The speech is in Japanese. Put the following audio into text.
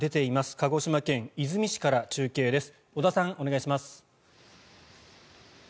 鹿児島県出水市から中継です。